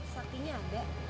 saat ini agak